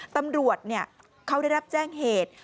ตำรวจเขาได้รับแจ้งเหตุ